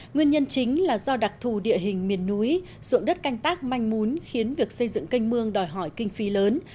nguyên nhân chính là do đặc thù địa hình miền núi ruộng đất canh tác manh mún khiến việc xây dựng canh mương đòi hỏi kinh phí lớn